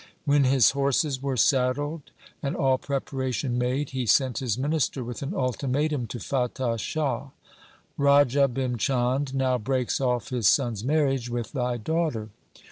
28 THE SIKH RELIGION his horses were saddled and all preparation made he sent his minister with an ultimatum to Fatah Shah, ' Raja Bhim Chand now breaks off his son's marriage with thy daughter.